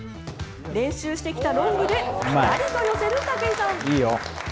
練習してきたロングでぴたりと寄せる武井さん。